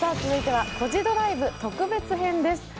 続いてはコジドライブ特別編です